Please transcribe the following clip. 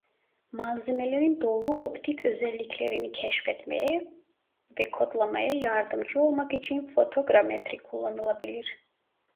Malzemelerin doğru optik özelliklerini keşfetmeye ve kodlamaya yardımcı olmak için fotogrametri kullanılabilir.